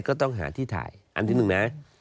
ก็ต้องหาที่ถ่ายอันที่หนึ่งนะ